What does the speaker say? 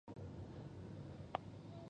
خدای یې دې پسې ورسوي، خان بې جوړې سړی و.